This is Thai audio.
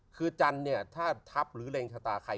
คือจันทร์เนี่ยถ้าทับหรือเล็งชะตาใคร